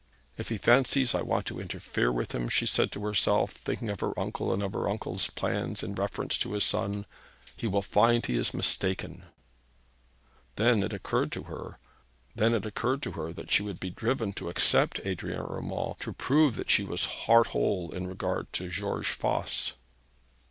'If he fancies I want to interfere with him,' she said to herself, thinking of her uncle, and of her uncle's plans in reference to his son, 'he will find that he is mistaken.' Then it occurred to her that she would be driven to accept Adrian Urmand to prove that she was heart whole in regard to George Voss.